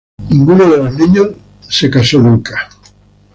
Ninguno de los niños se casó nunca.